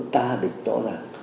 ta địch rõ ràng